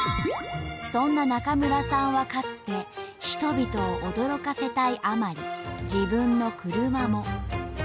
そんな中村さんはかつて人々を驚かせたいあまり自分の車も。